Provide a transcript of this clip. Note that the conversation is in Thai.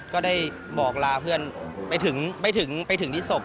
ก็ได้บอกลาเพื่อนไปถึงไปถึงที่ศพ